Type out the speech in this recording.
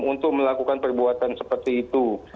untuk melakukan perbuatan seperti itu